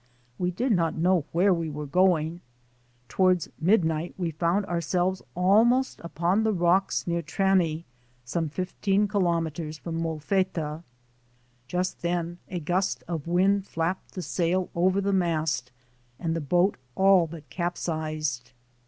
We did not know where we were going. Toward midnight we found ourselves almost upon the rocks near Trani, some fifteen kilometers from Molfetta. Just then a gust of wind flapped the sail over the mast and the boat all but capsized.